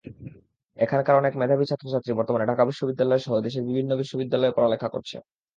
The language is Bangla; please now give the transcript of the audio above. এখানকার অনেক মেধাবী ছাত্রছাত্রী বর্তমানে ঢাকা বিশ্ববিদ্যালয়সহ দেশের বিভিন্ন বিশ্ববিদ্যালয়ে পড়ালেখা করছে।